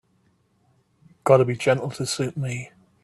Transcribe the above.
Gotta be gentle to suit me.